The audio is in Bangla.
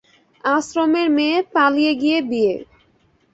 আশ্রমের মেয়ে, পালিয়ে গিয়ে বিয়ে।